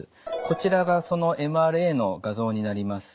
こちらがそのＭＲＡの画像になります。